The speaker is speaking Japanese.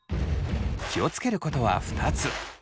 気を付けることは２つ。